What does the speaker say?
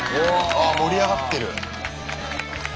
ああ盛り上がってる。